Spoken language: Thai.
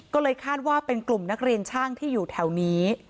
ก็เลยคาดว่าเป็นกลุ่มนักเรียนช่างที่อยู่แถวนี้